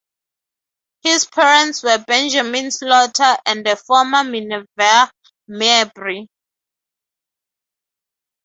His parents were Benjamin Slaughter and the former Minerva Mabry.